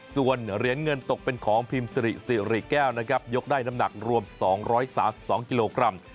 ส่วนเหรียญเงินตกเป็นของพิมพ์สิริสิริแก้วนะครับยกได้น้ำหนักรวม๒๓๒กิโลกรัม